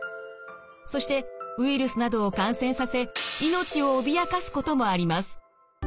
そしてウイルスなどを感染させ命を脅かすこともあります。